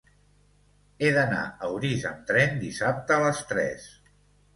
He d'anar a Orís amb tren dissabte a les tres.